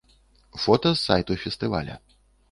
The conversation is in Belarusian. Фота з сайту фестываля.